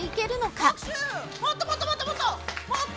もっともっともっともっと！